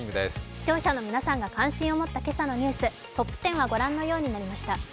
視聴者の皆さんが関心を持った今朝のニューストップ１０はご覧のようになりました。